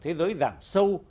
thế giới giảm sâu